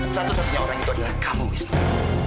satu satunya orang itu adalah kamu istri